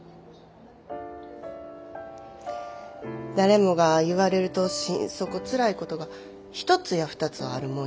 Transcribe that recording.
誰もが言われると心底つらいことが一つや二つはあるもんや。